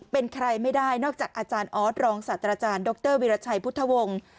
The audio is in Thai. เป็นใครไม่ได้นอกจากอาจารย์ออสรองศาสตราจารย์ดรวิราชัยพุทธวงศ์